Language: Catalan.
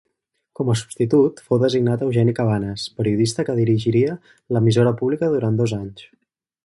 Com a substitut fou designat Eugeni Cabanes, periodista que dirigiria l'emissora pública durant dos anys.